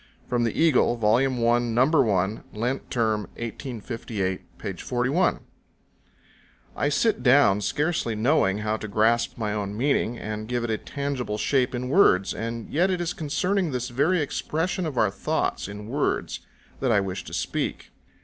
[From the Eagle, Vol. 1, No. 1, Lent Term, 1858, p. 41.] I sit down scarcely knowing how to grasp my own meaning, and give it a tangible shape in words; and yet it is concerning this very expression of our thoughts in words that I wish to speak.